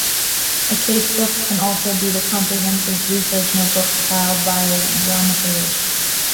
A casebook can also be the comprehensive research notebook compiled by a dramaturge.